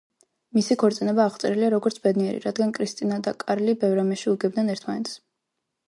მისი ქორწინება აღწერილია როგორც ბედნიერი, რადგანაც კრისტინა და კარლი ბევრ რამეში უგებდნენ ერთმანეთს.